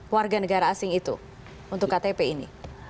warga negara asing itu untuk ktp ini